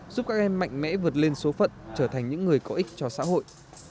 giúp các em mạnh mẽ vượt lên số phận trở thành những người có ích cho xã hội